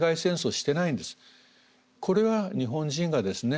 これは日本人がですね